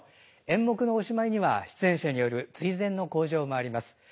演目のおしまいには出演者による追善の口上もあります。